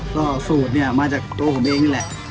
ก็สูตรมาจากโจ๊กผมเองนี่แหละ